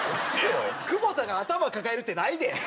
久保田が頭抱えるってないで。